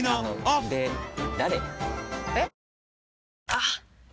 あっ！